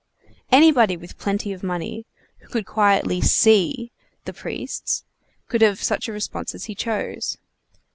Anybody with plenty of money, who would quietly "see" the priests, could have such a response as he chose.